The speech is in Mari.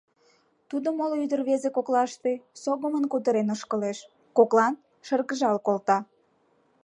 Тудо моло ӱдыр-рвезе коклаште согымын кутырен ошкылеш, коклан шыргыжал колта.